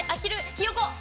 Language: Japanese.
ひよこ。